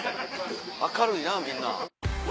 明るいなみんな。